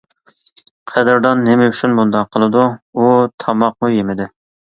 قەدىردان نېمە ئۈچۈن بۇنداق قىلىدۇ؟ ئۇ تاماقمۇ يېمىدى.